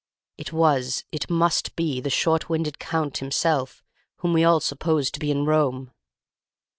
It was, it must be, the short winded Count himself, whom we all supposed to be in Rome!